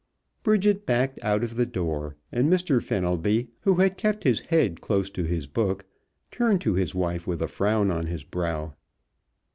Bridget backed out of the door, and Mr. Fenelby, who had kept his head close to his book, turned to his wife with a frown on his brow.